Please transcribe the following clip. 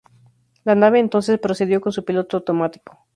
La nave entonces procedió con su piloto automático.